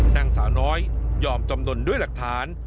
นางสาวน้อยยอมจำนวนด้วยหลักฐาน